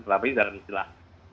apa ini dalam istilah